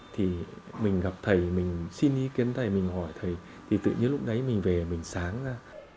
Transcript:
thì mình gặp thầy mình xin ý kiến thầy mình hỏi thầy thì tự nhiên lúc đấy mình về mình sáng ra